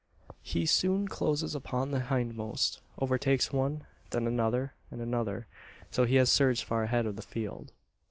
He soon closes upon the hindmost; overtakes one; then another, and another, till he has surged far ahead of the "field."